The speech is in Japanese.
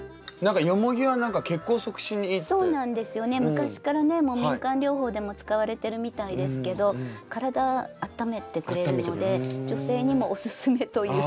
昔からね民間療法でも使われてるみたいですけど体あっためてくれるので女性にもおすすめという。